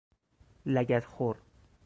لگد خور